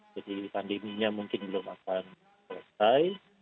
jadi pandeminya mungkin belum akan selesai